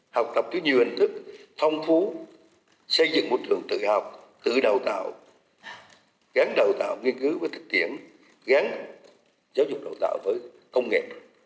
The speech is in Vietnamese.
học tập với nhiều hình thức thông phú xây dựng một hướng tự học tự đào tạo gắn đào tạo nghiên cứu với thích tiện gắn giáo dục đào tạo với công nghệ